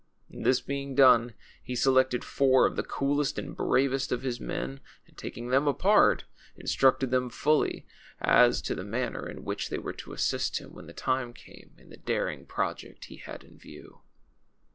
This being done, he selected four of the coolest and bravest of his men, and taking them apart, . instructed them fully, as. to. ..the 12 THE CHILDREN'S WONDER BOOK. manner in whicli they Avere to assist him, when the time came, in the daring project he had in view.